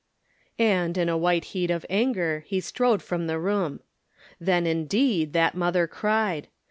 And, in a white heat of anger, he strode from the room. Then, indeed, that mother cried.